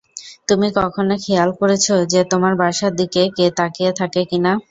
তুমি কখনো খেয়াল করেছো যে তোমার বাসার দিকে কে তাকিয়ে থাকে কিনা?